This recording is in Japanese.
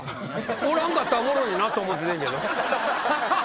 おらんかったらおもろいなと思っててんけど。